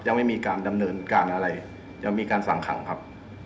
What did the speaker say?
ยังไม่มีการดำเนินการอะไรยังมีการสั่งขังครับ